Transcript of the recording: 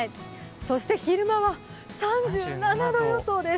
そして昼間は３７度予想です。